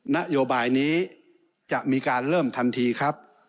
นโยบายนี้จะมีการเริ่มทันทีครับ